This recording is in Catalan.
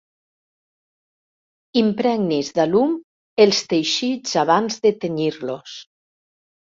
Impregnis d'alum els teixits abans de tenyir-los.